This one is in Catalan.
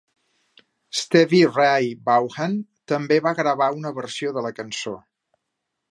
Stevie Ray Vaughan també va gravar una versió de la cançó.